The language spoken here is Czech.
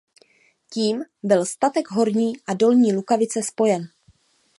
Tím byl statek horní a dolní Lukavice spojen.